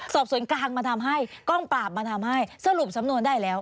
สอบสวนกลางมาทำให้กล้องปราบมาทำให้สรุปสำนวนได้แล้ว